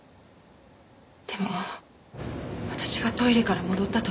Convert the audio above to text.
でも私がトイレから戻った時。